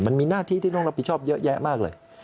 มันมีหน้าที่ที่ต้องรับผิดชอบเยอะแยะมากเลย